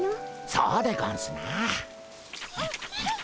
そうでゴンスな。